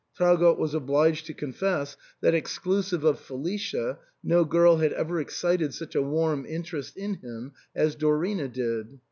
Traugott was obliged to confess that, exclusive of Felicia, no girl had ever ex cited such a warm interest in him as Dorina did.